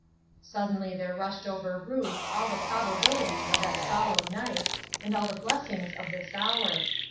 Suddenly there rushed over Ruth all the probabilities of that solemn night, and all the blessings of this hour.